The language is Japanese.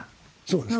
そうです。